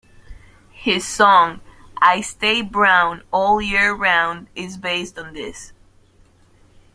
His song, "I Stay Brown All Year Round" is based on this.